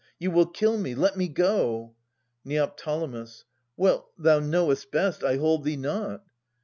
You will kill me. Let me go ! Neo. Well, thou know'st best. I hold thee not.